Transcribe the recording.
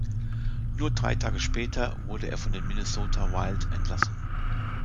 Nur drei Tage später wurde er von den Minnesota Wild entlassen.